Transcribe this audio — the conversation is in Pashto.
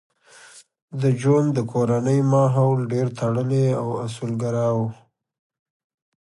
د جون د کورنۍ ماحول ډېر تړلی او اصولګرا و